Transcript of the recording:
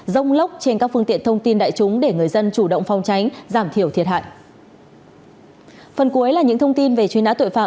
rông lốc trên các phương tiện thông tin đại chúng để người dân chủ động phòng tránh giảm thiểu thiệt hại